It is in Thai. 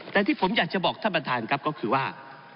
แต่ที่ผมอยากจะบอกท่านประธานครับก็คือว่า